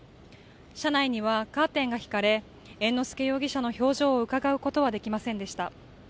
車内にはカーテンが引かれ、猿之助容疑者の表情をうかがうことはできませんでした。